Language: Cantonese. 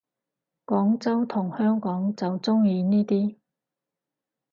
廣州同香港就鍾意呢啲